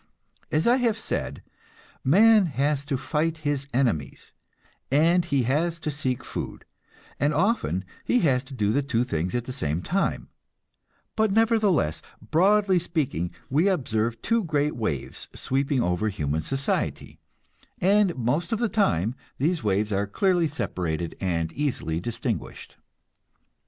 As I have said, man has to fight his enemies, and he has to seek food, and often he has to do the two things at the same time; but nevertheless, broadly speaking, we observe two great waves, sweeping over human society, and most of the time these waves are clearly separated and easily distinguished.